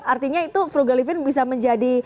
artinya itu frugal living bisa menjadi